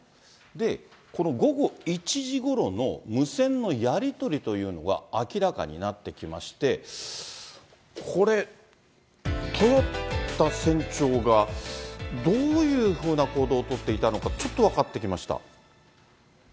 で、この午後１時ごろの無線のやり取りというのが明らかになってきまして、これ、豊田船長がどういうふうな行動を取っていたのか、ちょっと分かってきました。